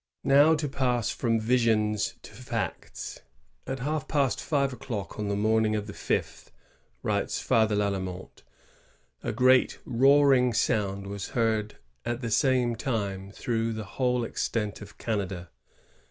^ Now, to pass from visions to facts: ^ At half past five o'clock on the morning of the fifth," writes Father Lalemant, ^^a great roaring sound was heard at the same time through the whole extent of Canada.